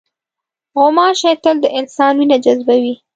غوماشې تل د انسان وینه جذبوي.